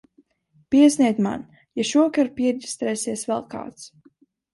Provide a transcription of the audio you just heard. Piezvaniet man, ja šovakar piereģistrēsies vēl kāds.